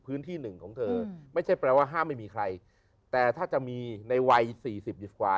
หนึ่งของเธอไม่ใช่แปลว่าห้ามไม่มีใครแต่ถ้าจะมีในวัยสี่สิบอยู่กว่า